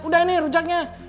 udah nih rujaknya